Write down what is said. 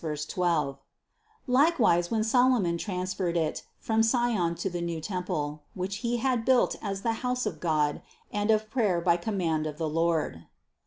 12) ; likewise, when Solomon transferred it from Sion to the new temple, which he had built as the house of God and of prayer by command of the Lord.